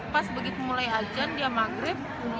pas begitu mulai ajan dia maghrib